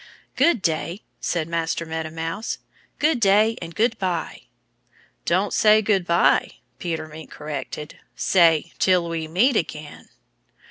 "Good day!" said Master Meadow Mouse. "Good day and good by!" "Don't say good by!" Peter Mink corrected. "Say, 'Till we meet again!'"